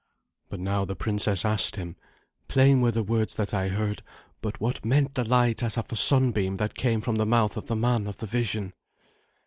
But now the princess asked him, "Plain were the words that I heard, hut what meant the light as of a sunbeam that came from the mouth of the man of the vision?"